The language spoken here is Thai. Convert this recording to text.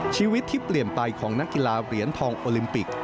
ชีวิตที่เปลี่ยนไปของนักกีฬาเหรียญทองโอลิมปิก